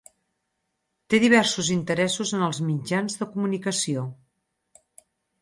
Té diversos interessos en els mitjans de comunicació.